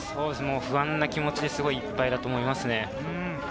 不安な気持ちでいっぱいだと思います。